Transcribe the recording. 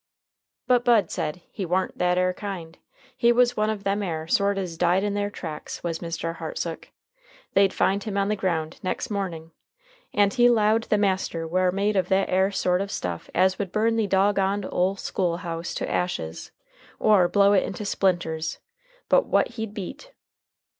But Bud said "he warn't that air kind. He was one of them air sort as died in their tracks, was Mr. Hartsook. They'd find him on the ground nex' morning, and he lowed the master war made of that air sort of stuff as would burn the dog on'd ole school house to ashes, or blow it into splinters, but what he'd beat.